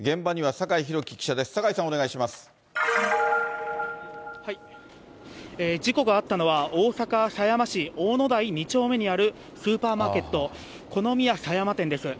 さかいさん、事故があったのは、大阪狭山市大野第２丁目にあるスーパーマーケット、コノミヤ狭山店です。